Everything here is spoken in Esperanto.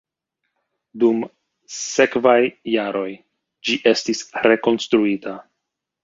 Dum sekvaj jaroj ĝi estis rekonstruita.